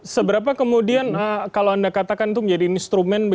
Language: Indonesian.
seberapa kemudian kalau anda katakan itu menjadi instrumen